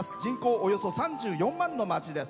およそ３４万の町です。